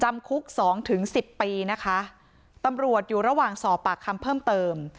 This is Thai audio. คุกสองถึงสิบปีนะคะตำรวจอยู่ระหว่างสอบปากคำเพิ่มเติม